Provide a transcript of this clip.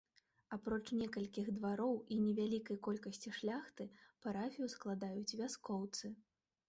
Апроч некалькіх двароў і невялікай колькасці шляхты, парафію складаюць вяскоўцы.